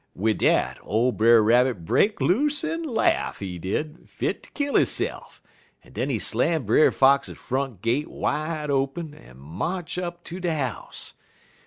"Wid dat, ole Brer Rabbit break loose en laugh, he did, fit ter kill hisse'f, en den he slam Brer Fox front gate wide open, en march up ter de house.